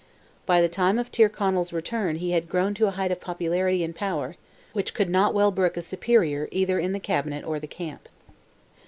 By the time of Tyrconnell's return he had grown to a height of popularity and power, which could not well brook a superior either in the cabinet or the camp.